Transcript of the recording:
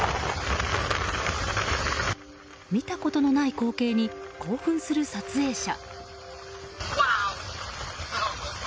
見たことのない光景に興奮する撮影者。